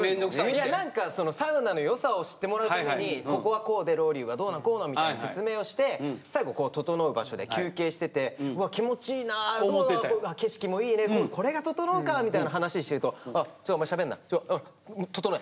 何かサウナの良さを知ってもらうために「ここはこうでロウリュがどうのこうの」みたいな説明をして最後ととのう場所で休憩してて「うわ気持ちいいな景色もいいねこれがととのうか」みたいな話をしてると「おいちょっとお前しゃべんな。ととのえ！ととのえ！」。